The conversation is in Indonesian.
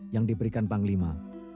yang diberikan panglima